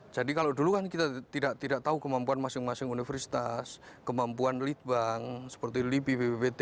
jadi kalau dulu kan kita tidak tahu kemampuan masing masing universitas kemampuan lead bank seperti libi bbbt